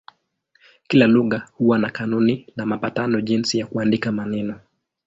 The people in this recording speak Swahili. Kila lugha huwa na kanuni na mapatano jinsi ya kuandika maneno.